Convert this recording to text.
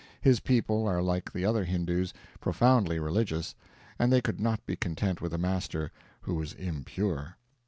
His people are like the other Hindoos, profoundly religious; and they could not be content with a master who was impure.